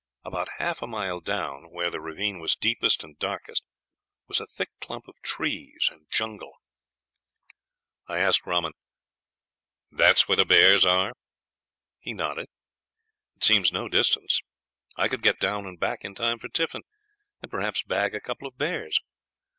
About half a mile down, where the ravine was deepest and darkest, was a thick clump of trees and jungle. "'That's where the bears are?' I asked Rahman. He nodded. It seemed no distance. I could get down and back in time for tiffin, and perhaps bag a couple of bears.